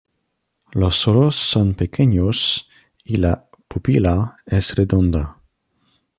Los ojos son pequeños y la pupila es redonda.